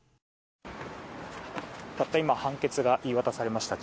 たった今判決が言い渡されました。